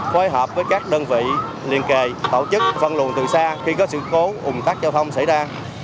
phối hợp với các đơn vị liên kề tổ chức văn luồng từ xa khi có sự cố ủng tắc giao thông xảy ra